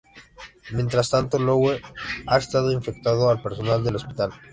Mientras tanto, Lowe ha estado infectando al personal del hospital...